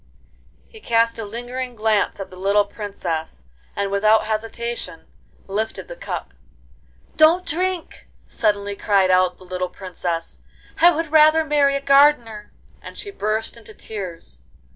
He cast a lingering glance at the little Princess, and without hesitation lifted the cup. 'Don't drink!' suddenly cried out the little Princess; 'I would rather marry a gardener.' And she burst into tears.